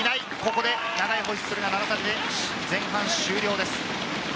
ここで長いホイッスルが鳴らされて前半終了です。